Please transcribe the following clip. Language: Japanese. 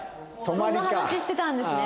そんな話してたんですね。